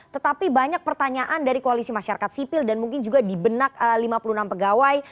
tetapi banyak pertanyaan dari koalisi masyarakat sipil dan mungkin juga di benak lima puluh enam pegawai